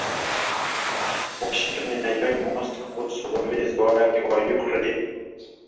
Washington inaionya Moscow kuhusu uvamizi wake kwa Ukraine